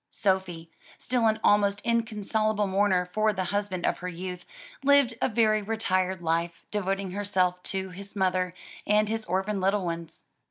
Sophie, still an almost inconsolable mourner for the husband of her youth, lived a very retired life, devoting herself to his mother and his orphaned little ones.